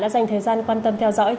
đã dành thời gian quan tâm theo dõi